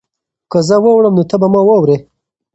که زه واوړم نو ته به ما واورې؟